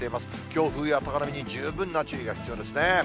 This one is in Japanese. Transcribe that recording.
強風や高波に十分な注意が必要ですね。